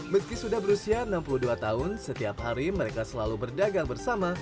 meski sudah berusia enam puluh dua tahun setiap hari mereka selalu berdagang bersama